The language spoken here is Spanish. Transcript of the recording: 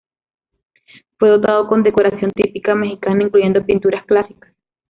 Fue dotado con decoración típica mexicana, incluyendo pinturas clásicas.